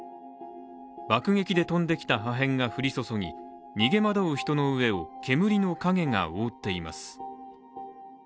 爆撃で飛んできた破片が降り注ぎ逃げ惑う人の上を煙の影が覆っています。